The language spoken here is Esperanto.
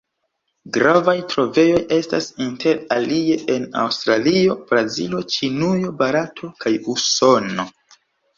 Gravaj trovejoj estas inter alie en Aŭstralio, Brazilo, Ĉinujo, Barato kaj Usono.